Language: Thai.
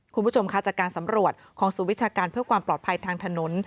คุณผู้ชมคะจากการสำรวจของศูนย์วิชาการเพื่อความปลอดภัยทางถนน